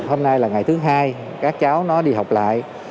hôm nay là ngày thứ hai các cháu nó đi học lại